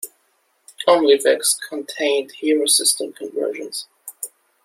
"Omlevex" contained Hero System conversions.